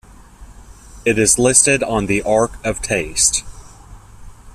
It is listed on the Ark of Taste.